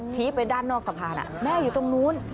ชี้ไปด้านนอกสะพานแม่อยู่ตรงนู้น